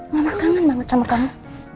malah kangen banget sama kamu